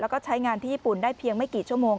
แล้วก็ใช้งานที่ญี่ปุ่นได้เพียงไม่กี่ชั่วโมง